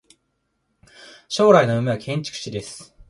将来の夢は建築士です。